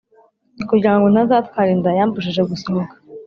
kugira ngo ntazatwara inda yambujije gusohoka.